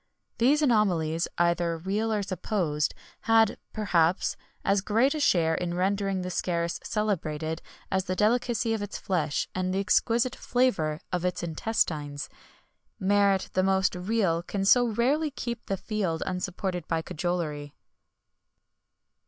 [XXI 94] These anomalies, either real or supposed, had, perhaps, as great a share in rendering the scarus celebrated, as the delicacy of its flesh, and the exquisite flavour of its intestines. Merit the most real can so rarely keep the field unsupported by cajollery.